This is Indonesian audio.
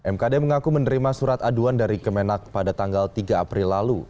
mkd mengaku menerima surat aduan dari kemenak pada tanggal tiga april lalu